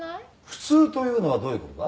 普通というのはどういう事だ？